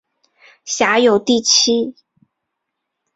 辖有第七。